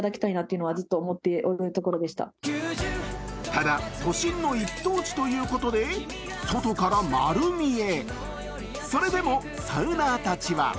ただ、都心の一等地ということで外から丸見え。